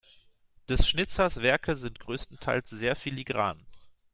Des Schnitzers Werke sind größtenteils sehr filigran.